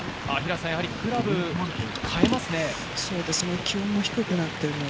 やはりクラブを替えますね。